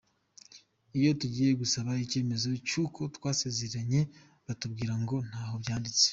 Iyo tugiye gusaba icyemezo cy’uko twasezeranye batubwira ngo ntaho byanditse.